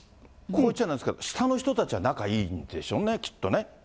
こう言っちゃなんですけど、下の人たちは仲いいんでしょうね、きっとね。